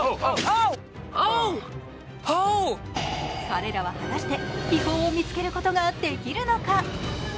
彼らは果たして秘宝を見つけることができるのか？